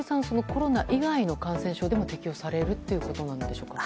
コロナ以外の感染症でも適用されるということでしょうか。